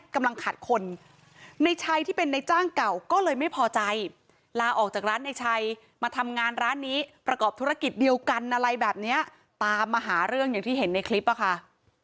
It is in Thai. กำลังขาดคนในชัยที่เป็นในจ้างเก่าก็เลยไม่พอใจลาออกจากร้านในชัยมาทำงานร้านนี้ประกอบธุรกิจเดียวกันอะไรแบบนี้ตามมาหาเรื่องอย่างที่เห็นในคลิปอะค่ะ